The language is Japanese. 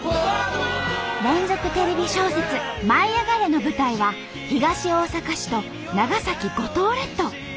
連続テレビ小説「舞いあがれ！」の舞台は東大阪市と長崎五島列島。